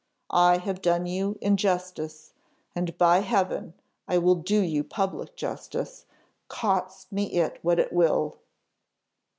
I have done you injustice, and by Heaven! I will do you public justice, cost me what it will.